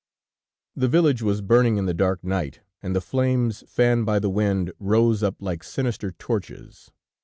The village was burning in the dark night, and the flames, fanned by the wind, rose up like sinister torches.